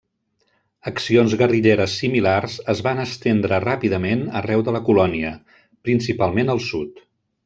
Accions guerrilleres similars es van estendre ràpidament arreu de la colònia, principalment al sud.